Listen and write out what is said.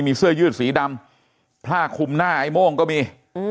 มีเสื้อยืดสีดำผ้าคุมหน้าไอ้โม่งก็มี